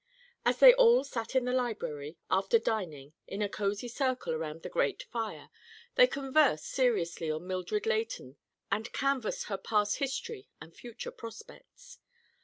As they all sat in the library, after dining, in a cosy circle around the grate fire, they conversed seriously on Mildred Leighton and canvassed her past history and future prospects.